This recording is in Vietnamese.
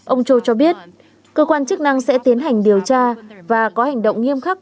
ông cho biết cơ quan chức năng sẽ tiến hành điều tra và có hành động nghiêm khắc